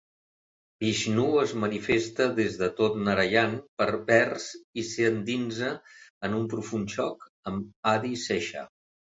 Vishnu es manifesta des de tot Narayan pervers i s'endinsa en un profund xoc amb Adi Sesha.